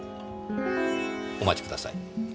お待ちください。